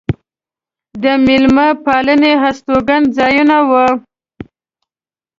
د مېلمه پالنې هستوګن ځایونه و.